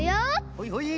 ほいほい。